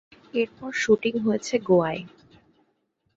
এরপর শুটিং হয়েছে গোয়ায়।